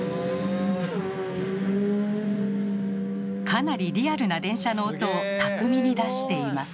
かなりリアルな電車の音を巧みに出しています。